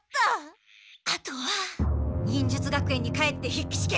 あとは忍術学園に帰って筆記試験。